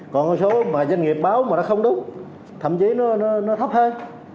còn số mà doanh nghiệp báo mà nó không đúng thậm chí nó thấp hơn